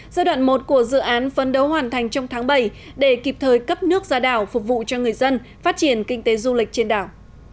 giai đoạn một của dự án phân đấu hoàn thành trong tháng bảy để kịp thời cấp nước ra đảo phục vụ cho người dân phát triển kinh tế du lịch trên đảo